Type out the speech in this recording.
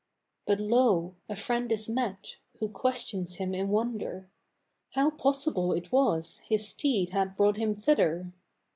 But lo! a friend is met, who questions him in wonder: "How possible it was his steed had brought him thither?"